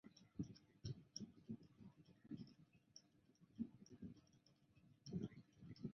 目前现任马来西亚最高元首后为来自彭亨州的东姑阿兹纱阿蜜娜。